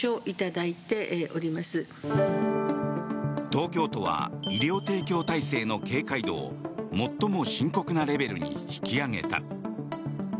東京都は医療提供体制の警戒度を最も深刻なレベルに引き上げた。